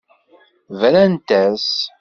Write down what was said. Brant-as.